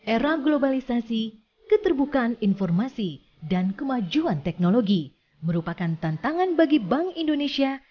era globalisasi keterbukaan informasi dan kemajuan teknologi merupakan tantangan bagi bank indonesia